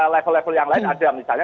level level yang lain ada misalnya